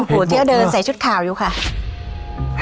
อ๋อผูที่เดินใส่ชุดข่าวอยู่ครับ